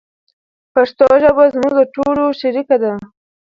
پښتو ژبه زموږ د ټولو شریکه ده.